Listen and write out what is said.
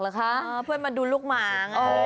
เพื่อนเอาของมาฝากเหรอคะเพื่อนมาดูลูกหมาไงหาถึงบ้านเลยแหละครับ